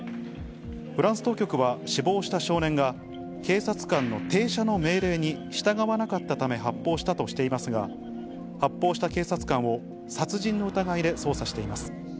フランス当局は死亡した少年が、警察官の停車の命令に従わなかったため発砲したとしていますが、発砲した警察官を殺人の疑いで捜査しています。